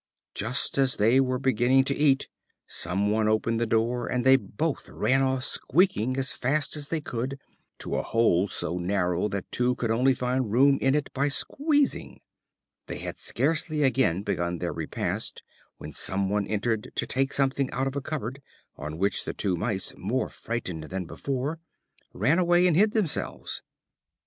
Just as they were beginning to eat, some one opened the door, and they both ran off squeaking, as fast as they could, to a hole so narrow that two could only find room in it by squeezing. They had scarcely again begun their repast when some one else entered to take something out of a cupboard, on which the two Mice, more frightened than before, ran away and hid themselves.